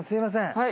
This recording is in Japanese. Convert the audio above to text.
はい。